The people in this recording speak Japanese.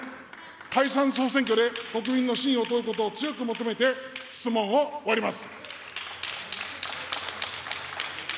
解散・総選挙で国民に信を問うことを強く求めて、質問を終わります。